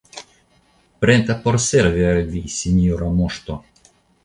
Preta por servi al vi, sinjora moŝto!